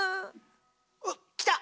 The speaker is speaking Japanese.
うっ来た！